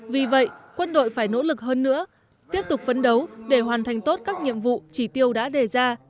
vì vậy quân đội phải nỗ lực hơn nữa tiếp tục phấn đấu để hoàn thành tốt các nhiệm vụ chỉ tiêu đã đề ra